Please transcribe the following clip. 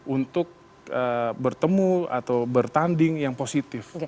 untuk bertemu atau bertanding yang positif